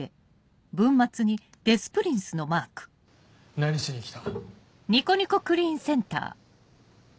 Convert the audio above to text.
何しに来た？